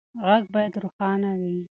غږ باید روښانه وي.